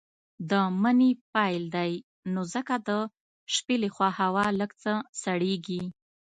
د مني پيل دی نو ځکه د شپې لخوا هوا لږ څه سړييږي.